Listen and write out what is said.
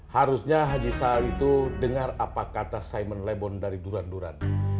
harusnya haji sawi itu dengar apa kata simon lebon dari duran duran